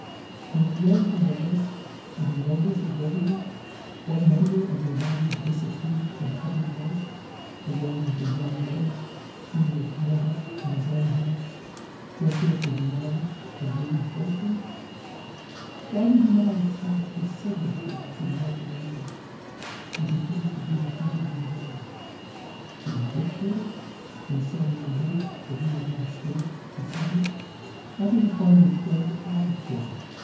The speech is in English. Can we learn from the list of the nobles of Burgundy what member of their body disappeared from public life along with a young ward whom he had brought up in his own house just after the marriage of Louis XIV? Why did he not attach his signature to the declaration, which appears to be a hundred years old? Did he dictate it when so near death that he had not strength to sign it? How did it find its way out of prison?